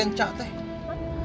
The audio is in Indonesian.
cepet cepet nikah ya